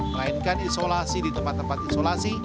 melainkan isolasi di tempat tempat isolasi